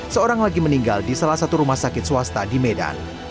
seorang lagi meninggal di salah satu rumah sakit swasta di medan